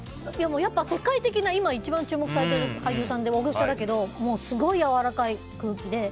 やっぱり世界的な今、一番注目されている俳優さんですごいやわらかい空気で。